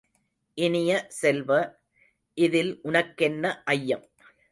இனிய செல்வ, இதில் உனக்கென்ன ஐயம்!